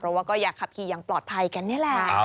เพราะว่าก็อยากขับขี่อย่างปลอดภัยกันนี่แหละ